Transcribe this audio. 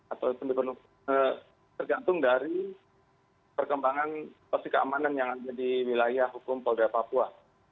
atau tergantung dari perkembangan posisi keamanan yang ada di wilayah hukum polda papua